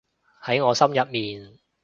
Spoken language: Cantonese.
喺我心入面